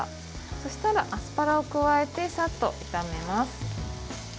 そしたらアスパラを加えてさっと炒めます。